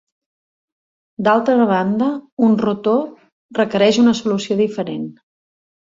D'altra banda, un rotor requereix una solució diferent.